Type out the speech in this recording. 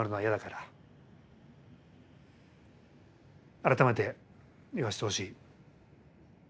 改めて言わせてほしい。